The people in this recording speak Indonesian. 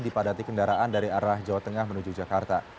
dipadati kendaraan dari arah jawa tengah menuju jakarta